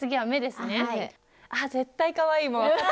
あっ絶対かわいいもう。